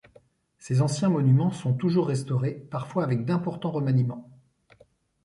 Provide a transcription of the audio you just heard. Ses anciens monuments sont toujours restaurés, parfois avec d'importants remaniements.